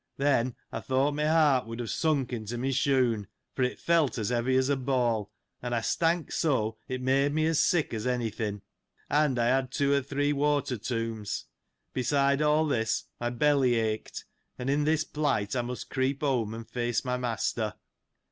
Then, I thought my heart would have sunk into my shoon ; for it felt as heavy as a ball : and I stank so, it made me as sick as any thing ; and I had two or three water tombs f beside all this, my belly ached ; and in this plight I must creep home and face my master